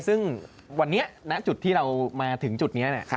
ซึ่งวันนี้ณจุดที่เรามาถึงจุดนี้